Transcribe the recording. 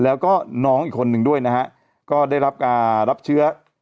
แล้วก็น้องอีกคนนึงด้วยนะฮะก็ได้รับการรับเชื้อ